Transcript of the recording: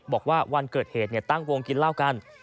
บอกว่าวันเกิดเหตุตั้งวงกินเหล้ากัน